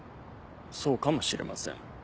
そうかもしれません。